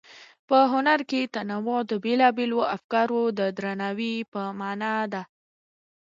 په هنر کې تنوع د بېلابېلو افکارو د درناوي په مانا ده.